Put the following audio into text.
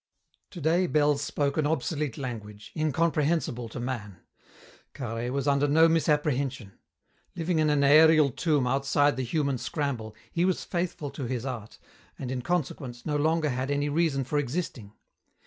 Today bells spoke an obsolete language, incomprehensible to man. Carhaix was under no misapprehension. Living in an aërial tomb outside the human scramble, he was faithful to his art, and in consequence no longer had any reason for existing.